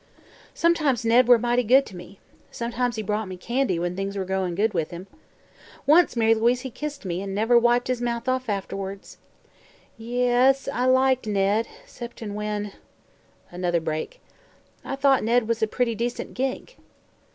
"Sometimes Ned were mighty good to me. Sometimes he brought me candy, when things was goin' good with him. Once, Mary Louise, he kissed me, an' never wiped off his mouth afterwards! Y e s, I liked Ned, 'ceptin' when " Another break. "I thought Ned was a pretty decent gink."